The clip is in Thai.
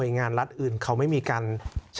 ทำไมรัฐต้องเอาเงินภาษีประชาชน